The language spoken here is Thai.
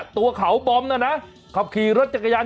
ตัวเขาบอมน่ะนะขับขี่รถจักรยาน